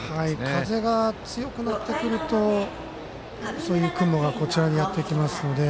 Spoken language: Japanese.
風が強くなってくると雲がこちらにやってきますので。